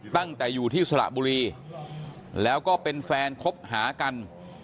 ตั้งแต่อยู่ที่สระบุรีแล้วก็เป็นแฟนคบหากัน